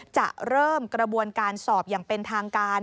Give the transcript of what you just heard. จะเริ่มกระบวนการสอบอย่างเป็นทางการ